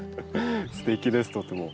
すてきですとっても。